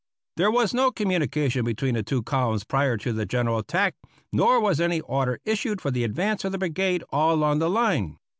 There was no communication between the two columns prior to the general attack, nor was any order issued for the advance of the brigade all along the line.